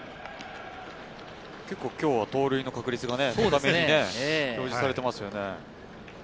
結構今日は盗塁の確率が高めに表示されていますよね。